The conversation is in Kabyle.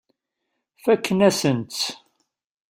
Fakken-asen-tt.